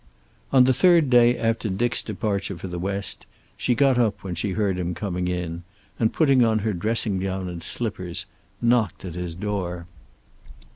On the third day after Dick's departure for the West she got up when she heard him coming in, and putting on her dressing gown and slippers, knocked at his door.